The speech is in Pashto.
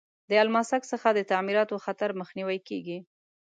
د الماسک څخه د تعمیراتو خطر مخنیوی کیږي.